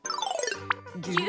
ぎゅ！